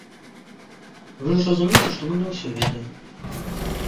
Вы ж разумееце, што мы не ўсё ведаем.